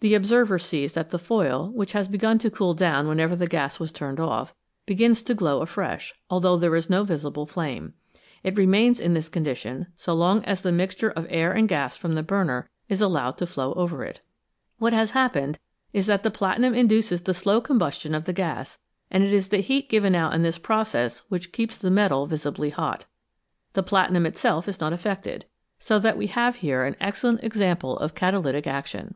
The observer sees that the foil, which had begun to cool down whenever the gas was turned off, begins to glow afresh, although there is no visible flame ; it remains in this condition so long as the mixture of air and gas from the burner is allowed to flow over it. What has happened is that the platinum induces the slow combustion of the gas, and it is the heat given out in this process which keeps the metal visibly hot. The platinum itself is not affected, so that we have here an excellent example of catalytic action.